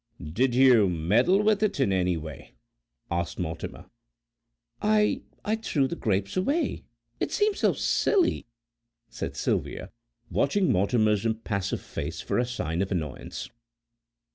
"Did you meddle with it in any way?" asked Mortimer. "I I threw the grapes away. It seemed so silly," said Sylvia, watching Mortimer's impassive face for a sign of annoyance.